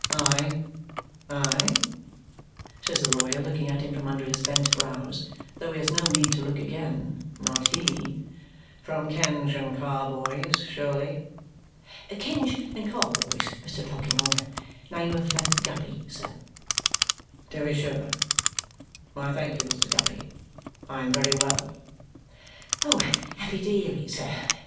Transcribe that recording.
"Aye, aye?" says the lawyer, looking at him from under his bent brows, though he has no need to look again not he. "From Kenge and Carboy's, surely?" "Kenge and Carboy's, Mr. Tulkinghorn. Name of Guppy, sir." "To be sure. Why, thank you, Mr. Guppy, I am very well!" "Happy to hear it, sir.